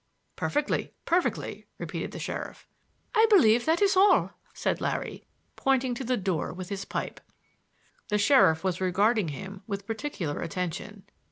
"Perfectly, perfectly," repeated the sheriff. "I believe that is all," said Larry, pointing to the door with his pipe. The sheriff was regarding him with particular attention.